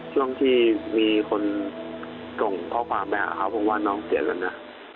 ช่วงที่มีคนส่งข้อความไปหาเขาผมว่าน้องเสียแล้วนะ